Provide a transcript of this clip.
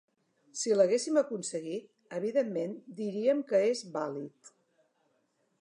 Si l’haguéssim aconseguit, evidentment diríem que és vàlid.